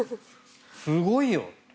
すごいよ。